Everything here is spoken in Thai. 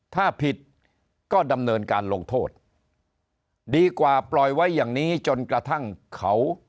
ถ้าผิดก็ดำเนินการลงโทษดีกว่าปล่อยไว้อย่างนี้จนกระทั่งเขา